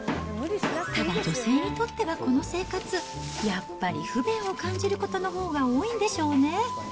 ただ、女性にとってはこの生活、やっぱり不便を感じることのほうが多いんでしょうね。